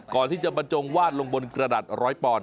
ก่อนที่จะบรรจงวาดลงบนกระดาษร้อยปอนด